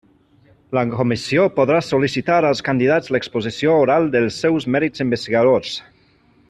La Comissió podrà sol·licitar als candidats l'exposició oral dels seus mèrits investigadors.